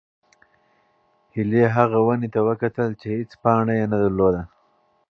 هیلې هغې ونې ته وکتل چې هېڅ پاڼه یې نه درلوده.